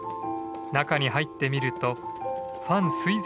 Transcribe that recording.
中に入ってみるとファン垂